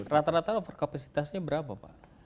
rata rata overcapacitasnya berapa pak